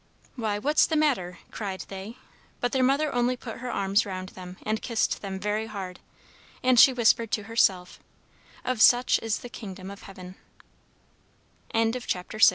"Why, what's the matter?" cried they. But their Mother only put her arms round them and kissed them very hard. And she whispered to herself: "Of such is the Kingdom of Heaven." THE PRIZE GIRL OF THE HARNESSING CLASS. It